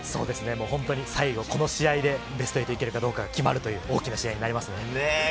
本当に最後この試合でベスト８いけるかどうかが決まるという大きな試合になりますね。